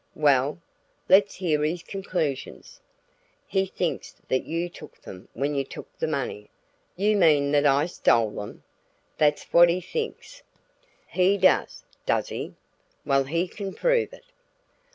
"Well? Let's hear his conclusions." "He thinks that you took them when you took the money." "You mean that I stole them?" "That's what he thinks." "He does, does he? Well he can prove it!"